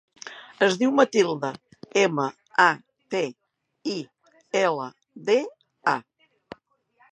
Es diu Matilda: ema, a, te, i, ela, de, a.